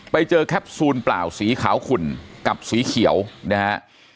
แคปซูลเปล่าสีขาวขุ่นกับสีเขียวนะฮะ